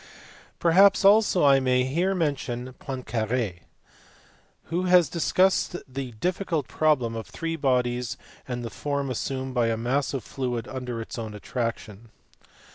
Perhaps also I may here mention Poincare (see above, pp. 471, 482), who has discussed the difficult problem of three bodies, and the form assumed by a mass of fluid under its own attraction.